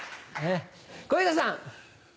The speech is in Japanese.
小遊三さん。